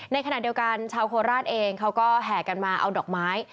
ในขณะเดียวกันชาวโคราชเองเขาก็แห่กันมาเอาดอกไม้